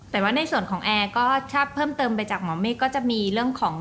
แต่ว่าในส่วนของแอร์ก็ถ้าเพิ่มเติมไปจากหมอเมฆก็จะมีเรื่องของ